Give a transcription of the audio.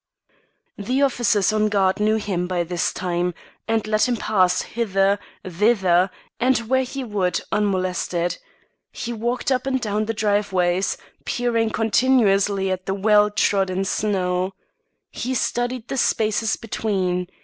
The officers on guard knew him, by this time, and let him pass hither, thither, and where he would, unmolested. He walked up and down the driveways, peering continuously at the well trodden snow. He studied the spaces between.